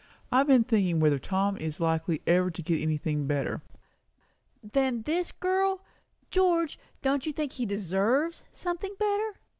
I have been thinking whether Tom is likely ever to get anything better." "Than this girl? George, don't you think he deserves something better?